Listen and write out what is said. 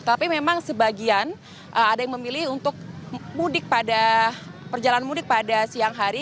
tapi memang sebagian ada yang memilih untuk mudik pada perjalanan mudik pada siang hari